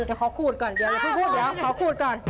เดี๋ยวขอขูดก่อนเดี๋ยวขูดตอน